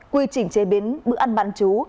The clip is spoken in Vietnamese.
quy trình chế biến bữa ăn bán chú